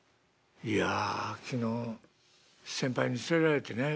「いや昨日先輩に連れられてね